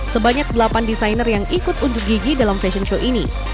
sebanyak delapan desainer yang ikut unjuk gigi dalam fashion show ini